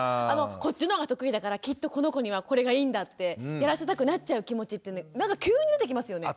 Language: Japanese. こっちの方が得意だからきっとこの子にはこれがいいんだってやらせたくなっちゃう気持ちってなんか急に出てきますよね。